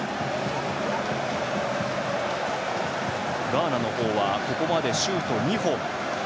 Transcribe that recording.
ガーナの方はここまでシュート２本。